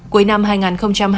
cuối năm hai nghìn hai mươi hai